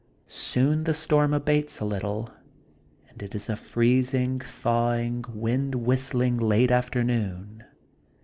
Soon the storm abates a little, but it is a freezing, thawing, wind whistling, late afternoon.